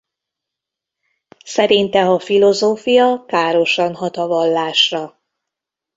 Szerinte a filozófia károsan hat a vallásra.